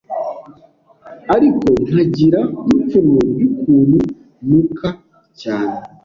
ariko nkagira ipfunwe ry’ukuntu nuka cyane